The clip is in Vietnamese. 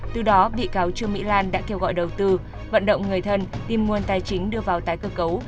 từ đó bị cáo trương mỹ lan đã kêu gọi đầu tư vận động người thân tìm nguồn tài chính đưa vào tái cơ cấu